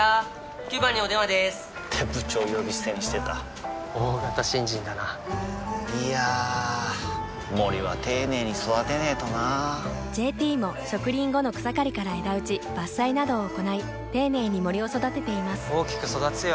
９番にお電話でーす！って部長呼び捨てにしてた大型新人だないやー森は丁寧に育てないとな「ＪＴ」も植林後の草刈りから枝打ち伐採などを行い丁寧に森を育てています大きく育つよ